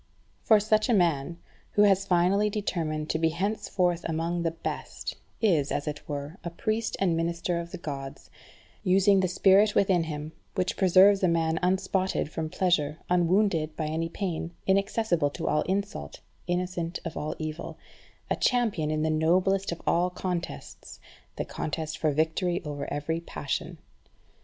For such a man, who has finally determined to be henceforth among the best, is, as it were, a priest and minister of the Gods, using the spirit within him, which preserves a man unspotted from pleasure, unwounded by any pain, inaccessible to all insult, innocent of all evil; a champion in the noblest of all contests the contest for victory over every passion.